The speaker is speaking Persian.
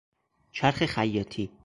چرخ خیاطی